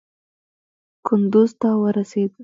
کندوز ته ورسېد.